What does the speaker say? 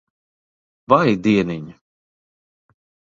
Vai dieniņ.